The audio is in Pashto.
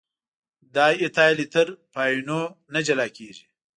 دای ایتایل ایتر په آیونونو نه جلا کیږي.